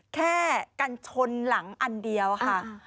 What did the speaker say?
แค่กันชนหลังอันเดียวค่ะ